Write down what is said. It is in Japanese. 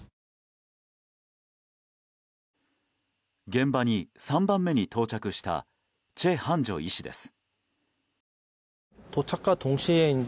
現場に３番目に到着したチェ・ハンジョ医師です。